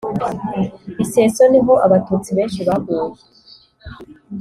Bisesero niho abatutsi benshi baguye